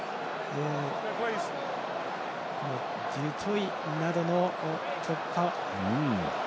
デュトイなどの突破。